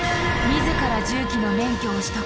自ら重機の免許を取得。